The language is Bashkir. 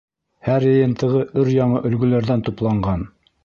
Һәр йыйынтығы өр-яңы өлгөләрҙән тупланған.